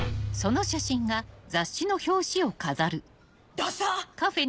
ダサっ！